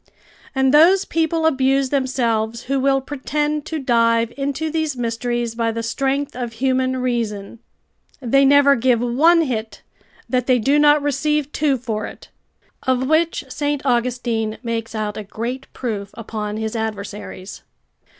And those people abuse themselves who will pretend to dive into these mysteries by the strength of human reason. They never give one hit that they do not receive two for it; of which St. Augustine makes out a great proof upon his adversaries.